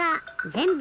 ぜんぶ